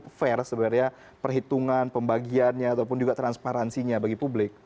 apakah ini cukup fair sebenarnya perhitungan pembagiannya ataupun juga transparansinya bagi publik